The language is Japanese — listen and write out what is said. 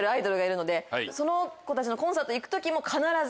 その子たちのコンサート行く時も必ず。